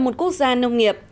và một quốc gia nông nghiệp